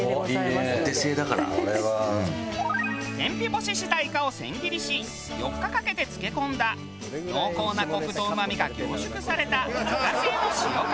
天日干ししたイカを千切りし４日かけて漬け込んだ濃厚なコクとうまみが凝縮された自家製の塩辛。